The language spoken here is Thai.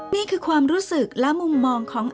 นี่คือความรู้สึกและมุมมองของ